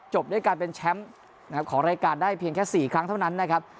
ด้วยการเป็นแชมป์ของรายการได้เพียงแค่๔ครั้งเท่านั้นนะครับ